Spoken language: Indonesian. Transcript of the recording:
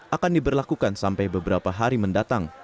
akan diberlakukan sampai beberapa hari mendatang